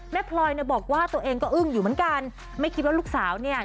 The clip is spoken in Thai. พลอยเนี่ยบอกว่าตัวเองก็อึ้งอยู่เหมือนกันไม่คิดว่าลูกสาวเนี่ย